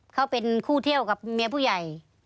เขาเป็นคู่เที่ยวกับเมียผู้ใหญ่